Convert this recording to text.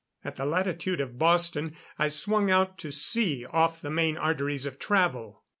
At the latitude of Boston, I swung out to sea, off the main arteries of travel.